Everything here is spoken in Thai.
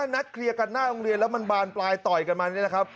นัดเคลียร์กันหน้าโรงเรียนแล้วมันบานปลายต่อยกันมานี่แหละครับ